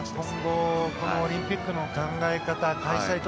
今後このオリンピックの考え方開催